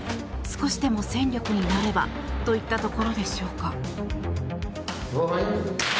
少しでも戦力になればといったところでしょうか。